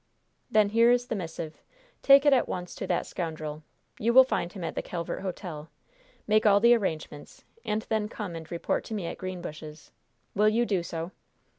"Then here is the missive. Take it at once to that scoundrel. You will find him at the Calvert Hotel. Make all the arrangements, and then come and report to me at Greenbushes. Will you do so?"